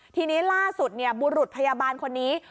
ทีนี้ล่าสุดบุรุษพยาบาลคนนี้